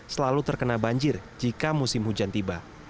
selalu terkena banjir jika musim hujan tiba